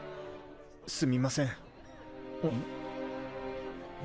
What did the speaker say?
すみません。